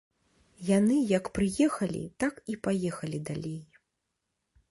Яны як прыехалі, так і паехалі далей.